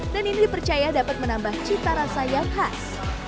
dan ini dipercaya dapat menambah cita rasa yang khas